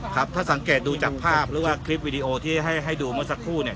ครับถ้าสังเกตดูจากภาพหรือว่าคลิปวิดีโอที่ให้ดูเมื่อสักครู่เนี่ย